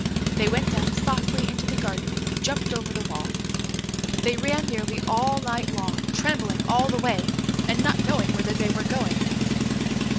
They went down softly into the garden and jumped over the wall. They ran nearly all night long, trembling all the way, and not knowing whither they were going.